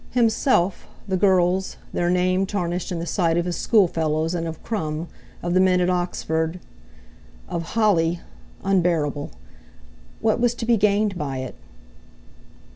Himself, the girls, their name tarnished in the sight of his schoolfellows and of Crum, of the men at Oxford, of—Holly! Unbearable! What was to be gained by it?